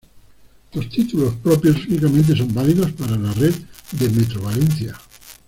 Los títulos propios únicamente son válidos para la red de Metrovalencia.